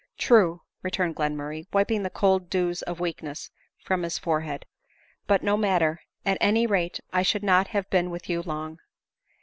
" True," returned Glenmurray, wiping the cold dews of weakness from his forehead ;" but no matter — at any rate I should not have been with you long."